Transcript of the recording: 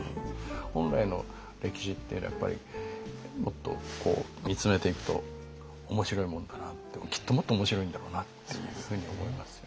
本来の歴史っていうのはやっぱりもっと見つめていくと面白いもんだなってきっともっと面白いんだろうなっていうふうに思いますよね。